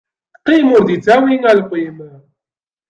Qqim ur d-ittawi alqim.